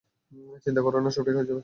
চিন্তা কোরো না, সব ঠিক হয়ে যাবে।